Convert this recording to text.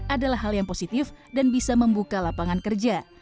adalah hal yang positif dan bisa membuka lapangan kerja